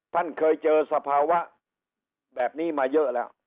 ท่านเคยเจอสภาวะแบบนี้มาเยอะแล้ว